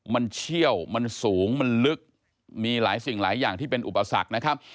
มันเชี่ยวมันสูงมันลึกมีหลายสิ่งหลายอย่างที่เป็นอุปสรรคนะครับ